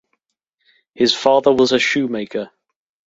His father was a shoemaker.